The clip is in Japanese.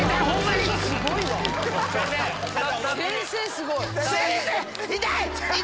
すごい！